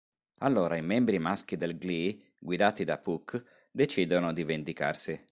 Allori i membri maschi del Glee, guidati da Puck, decidono di vendicarsi.